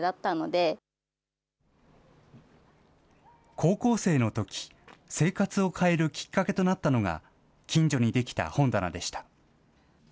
高校生のとき、生活を変えるきっかけとなったのが近所に出来た本棚でした。